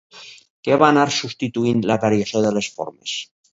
Què va anar substituint la variació de les formes?